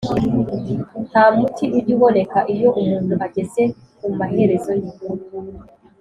nta muti ujya uboneka iyo umuntu ageze ku maherezo ye,